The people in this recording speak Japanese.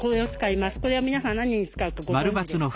これは皆さん何に使うかご存じですか？